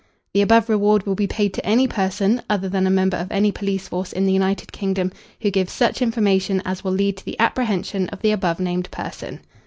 The above Reward will be paid to any person (other than a member of any Police force in the United Kingdom) who gives such information as will lead to the apprehension of the above named person.